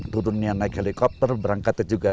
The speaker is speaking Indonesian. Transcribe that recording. turunnya naik helikopter berangkatnya juga